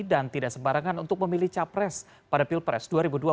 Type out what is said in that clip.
dan tidak sembarangan untuk memilih capres pada pilpres dua ribu dua puluh empat